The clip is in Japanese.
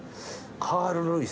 カール・ルイス。